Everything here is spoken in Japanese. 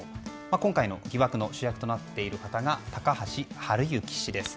今回の疑惑の主役となっている方が高橋治之氏です。